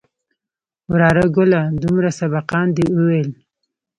وراره گله دومره سبقان دې وويل.